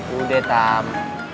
gak usah nebak nebak sodikin